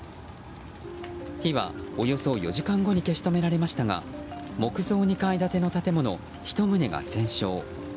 火はおよそ４時間後に消し止められましたが木造２階建ての建物１棟が全焼。